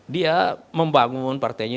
dia membangun partainya